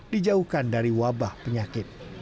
dijauhkan dari wabah penyakit